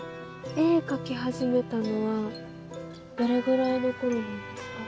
絵描き始めたのはどれぐらいのころなんですか？